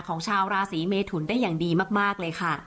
ของชาวราศีเมทุนได้อย่างดีมากเลยค่ะ